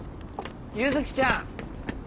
結月ちゃん。